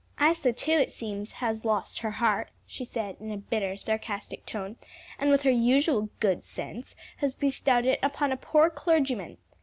"Isa, too, it seems, has lost her heart," she said in a bitter, sarcastic tone; "and with her usual good sense, has bestowed it upon a poor clergyman.